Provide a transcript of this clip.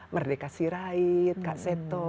merdeka sirait kak seto